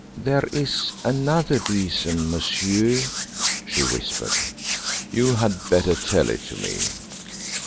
"There is another reason, monsieur," she whispered. "You had better tell it to me."